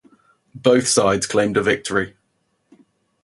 Both sides claimed a victory.